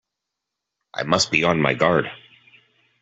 I must be on my guard!